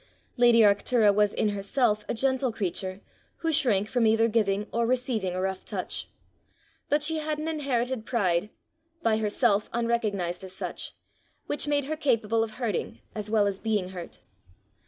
Lady Arctura was in herself a gentle creature who shrank from either giving or receiving a rough touch; but she had an inherited pride, by herself unrecognized as such, which made her capable of hurting as well as being hurt.